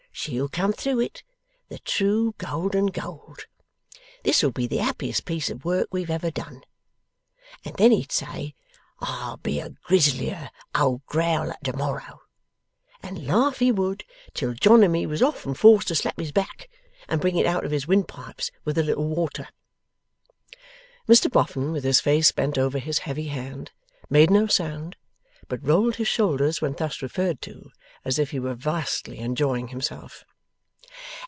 She'll come through it, the true golden gold. This'll be the happiest piece of work we ever done." And then he'd say, "I'll be a grislier old growler to morrow!" and laugh, he would, till John and me was often forced to slap his back, and bring it out of his windpipes with a little water.' Mr Boffin, with his face bent over his heavy hand, made no sound, but rolled his shoulders when thus referred to, as if he were vastly enjoying himself.